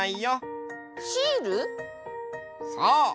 そう。